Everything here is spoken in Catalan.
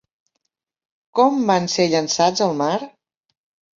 Com van ser llançats al mar?